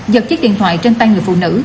dập chiếc điện thoại trên tay người phụ nữ